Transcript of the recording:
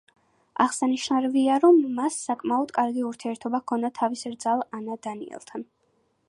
აღსანიშნავია, რომ მას საკმაოდ კარგი ურთიერთობა ჰქონდა თავის რძალ ანა დანიელთან.